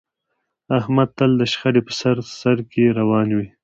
احمد تل د شخړې په سر سرکې روان وي.